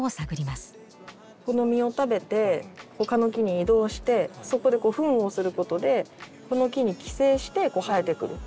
この実を食べて他の木に移動してそこでフンをすることでこの木に寄生して生えてくる。